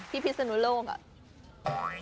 พิศนุโลกอ่ะ